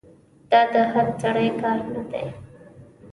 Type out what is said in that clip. دا د هر سړي کار نه دی.